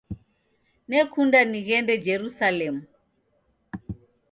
Nekunda nighende Jerusalemu